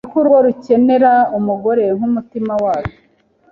niko urugo rukenera umugore nk’umutima warwo